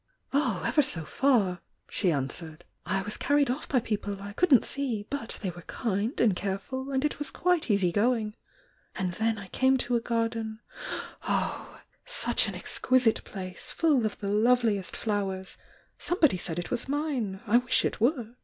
"Oh, ever so far!" she answered. "I was carried off by people I couldn't see — but they were kind and careful, and it was quite easy going. And then I came to a garden — oh! — such an exquisite place, full of the loveliest flowers— somebody said it waa mine! I wish it were!"